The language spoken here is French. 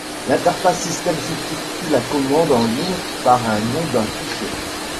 L'interface système substitue la commande en ligne par un nom d'un fichier.